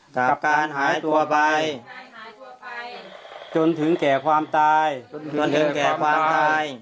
กับการหายตัวไปจนถึงแก่ความตายจนถึงแก่ความตาย